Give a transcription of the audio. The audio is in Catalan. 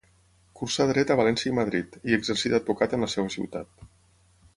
Cursà Dret a València i Madrid, i exercí d’advocat en la seua ciutat.